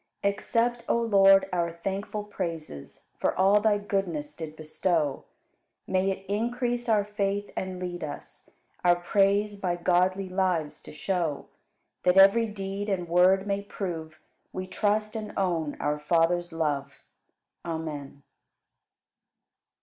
58. Accept, O Lord, our thankful praises For all Thy goodness did bestow; May it increase our faith and lead us Our praise by godly lives to show, That every deed and word may prove We trust and own our Father's love. Amen.